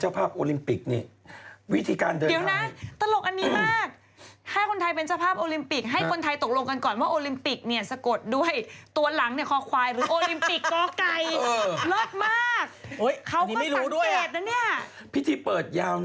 สุดท้ายวิธีการเดินทางไปดูกีฬาแต่ละอย่างที่รวดเร็วที่สุด